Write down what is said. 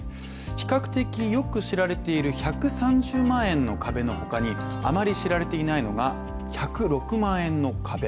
比較的よく知られている１３０万円の壁のほかにあまり知られていないのが、１０６万円の壁。